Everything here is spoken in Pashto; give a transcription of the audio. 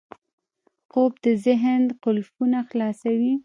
خوب د ذهن قفلونه خلاصوي